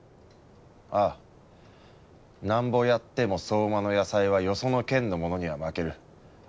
ああなんぼやっても相馬の野菜はよその県のものには負ける。